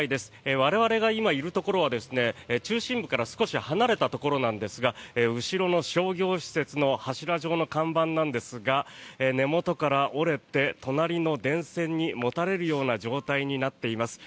我々が今、いるところは中心部から少し離れたところなんですが後ろの商業施設の柱状の看板なんですが根元から折れて隣の電線にもたれるような状態になっています。